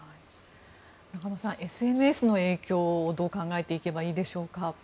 中野さん、ＳＮＳの影響をどう考えていけばいいでしょうか。